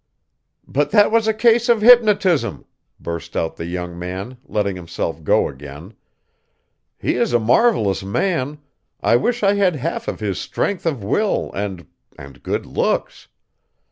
"But that was a case of hypnotism," burst out the young man, letting himself go again. "He is a marvelous man. I wish I had half of his strength of will and and good looks.